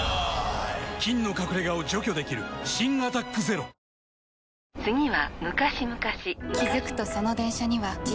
菌の隠れ家を除去できる新「アタックＺＥＲＯ」全国の皆さん、こんにちは。